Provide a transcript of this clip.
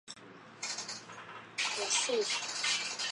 栖息地包括亚热带或热带的干燥疏灌丛。